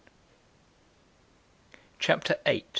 CHAPTER 8.